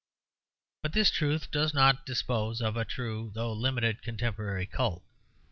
But this truth does not dispose of a true, though limited, contemporary cult.